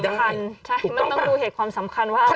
มันต้องดูเหตุความสำคัญ